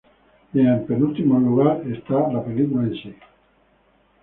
Y en último lugar está la película en sí.